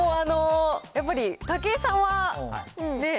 もうやっぱり武井さんはねぇ。